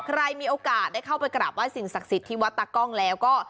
ใครมีโอกาสได้เข้าไปกราบไห้สิ่งศักดิ์สิทธิ์ที่วัดตากล้องแล้วก็